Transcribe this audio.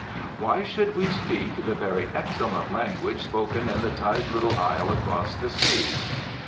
Why should we speak the very excellent language spoken in the tight little isle across the sea?